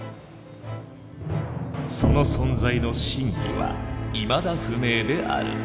その存在の真偽はいまだ不明である。